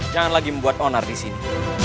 jangan lagi membuat onar di sini